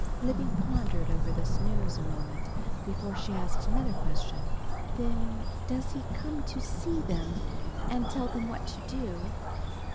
Libby pondered over this news a moment before she asked another question. "Then does he come to see them and tell them what to do?"